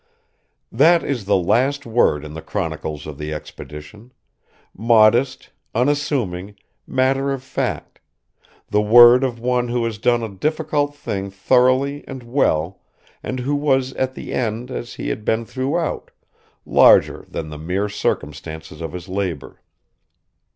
That is the last word in the chronicles of the expedition, modest, unassuming, matter of fact the word of one who had done a difficult thing thoroughly and well, and who was at the end, as he had been throughout, larger than the mere circumstances of his labor.